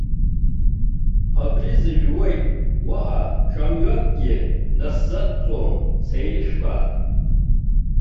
Абри зжәуеит, уаҳа ҿамҩакгьы насзацҵом, сеилышәкаа.